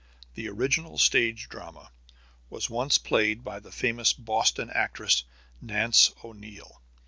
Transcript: The original stage drama was once played by the famous Boston actress, Nance O'Neil.